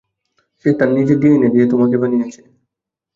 সে তার নিজের ডিএনএ দিয়ে তোমাকে বানিয়েছে।